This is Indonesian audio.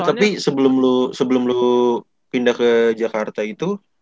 tapi sebelum lo pindah ke jakarta itu